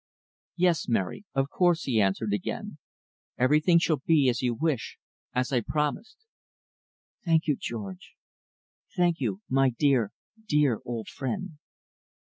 "Yes, Mary, of course," he answered again. "Everything shall be as you wish as I promised." "Thank you George. Thank you my dear dear old friend."